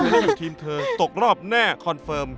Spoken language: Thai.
ลูกทีมเธอตกรอบแน่คอนเฟิร์ม